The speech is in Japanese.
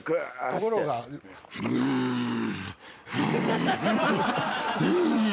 ところが「んんん！」